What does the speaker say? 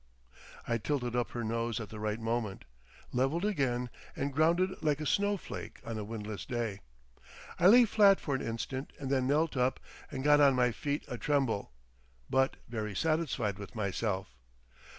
I tilted up her nose at the right moment, levelled again and grounded like a snowflake on a windless day. I lay flat for an instant and then knelt up and got on my feet atremble, but very satisfied with myself.